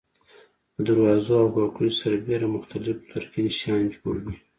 د دروازو او کړکیو سربېره مختلف لرګین شیان جوړوي.